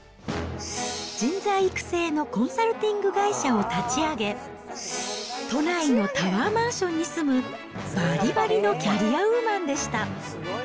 人材育成のコンサルティング会社を立ち上げ、都内のタワーマンションに住むばりばりのキャリアウーマンでした。